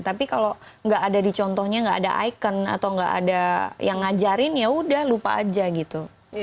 tapi kalau nggak ada dicontohnya nggak ada icon atau nggak ada yang ngajarin ya udah lupa aja gitu